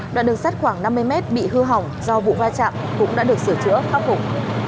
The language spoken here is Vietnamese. đoạn đường sắt khoảng năm mươi mét bị hư hỏng do vụ va chạm cũng đã được sửa chữa khắc phục